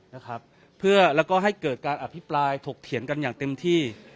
และให้เกิดการอภิปรายถกเถียงกันอย่างเต็มที่